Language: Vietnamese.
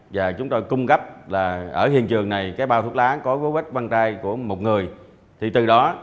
về chúng tôi cung cấp là ở hiện trường này cái bào thuốc lá có gấu vết con trai của một người thì từ đó